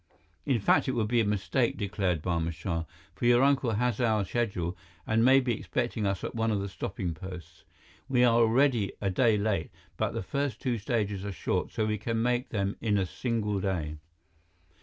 "In fact, it would be a mistake," declared Barma Shah, "for your uncle has our schedule and may be expecting us at one of the stopping posts. We are already a day late, but the first two stages are short, so we can make them in a single day."